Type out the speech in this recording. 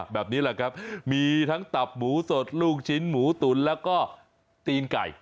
แบบนี้แหละครับมีทั้งตับหมูสดลูกชิ้นหมูตุ๋นแล้วก็ตีนไก่